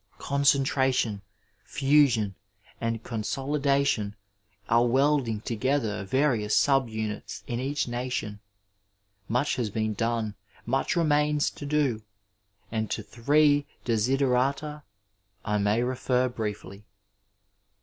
Concentration, fusion, and consolidation are welding together various subunits in each nation. Much has been done, much remains to do ; and to three desiderata I may refer briefly.